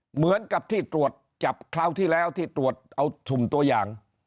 เหมือนกับที่ตรวจจับคราวที่แล้วที่ตรวจเอาถุ่มตัวอย่าง